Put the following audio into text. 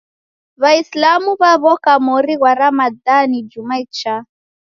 W'aisilamu w'aw'oka mori ghwa Ramadhani juma ichaa.